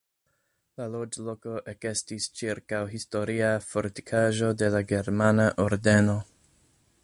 La loĝloko ekestis ĉirkaŭ historia fortikaĵo de la Germana Ordeno.